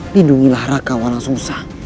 bindungilah raka walang sungsang